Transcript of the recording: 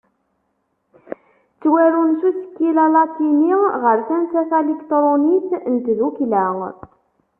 Ttwarun s usekkil alatini, ɣer tansa talikṭrunit n tdukkla.